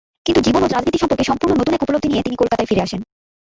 কিন্তু জীবন ও রাজনীতি সম্পর্কে সম্পূর্ণ নতুন এক উপলব্ধি নিয়ে তিনি কলকাতায় ফিরে আসেন।